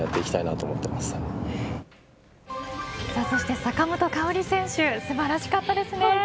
そして坂本花織選手素晴らしかったですね。